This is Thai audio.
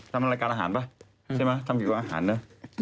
ทำรายการอาหารป่ะใช่ไหมทำกี่กว่าอาหารด้วย